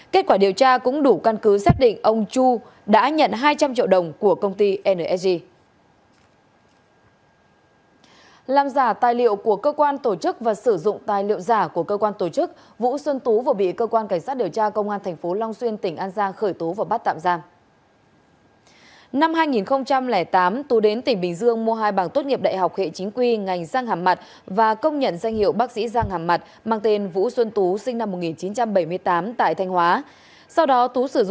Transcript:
kết quả điều tra cũng đủ căn cứ xác định ông chu đã nhận hai trăm linh triệu đồng của công ty nsg